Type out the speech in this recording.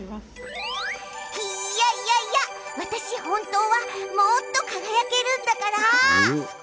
いやいやいや、私、本当はもっと輝けるんだから！